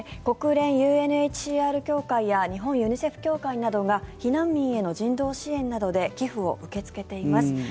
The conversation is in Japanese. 国連ＵＮＨＣＲ協会や日本ユニセフ協会などが避難民への人道支援などで寄付を受け付けています。